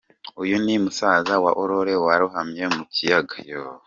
Uyu ni musaza wa Aurore warohamye mu kiyaga.